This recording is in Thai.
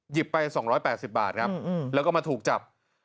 หยิบไปสองร้อยแปดสิบบาทครับอืมอืมแล้วก็มาถูกจับ